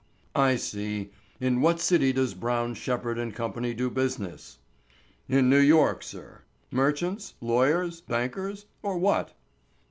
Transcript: "I see. In what city does Brown, Shepherd, & Co. do business?" "In New York, sir." "Merchants, lawyers, bankers, or what?"